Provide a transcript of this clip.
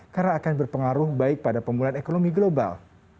karena akan berpengaruh baik pada pemulihan ekonomi global